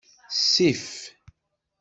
Sif.